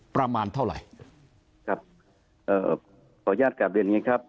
ประมาณเท่าไรครับเอ่อขออนุญาตกลับเดี๋ยวนี้ครับ